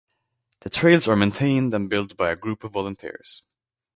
The trails are maintained and built by a group of volunteers.